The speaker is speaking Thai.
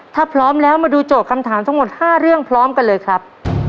ถ้าพร้อมแล้วมาดูโจทย์คำถามทั้งหมด๕เรื่องพร้อมกันเลยครับ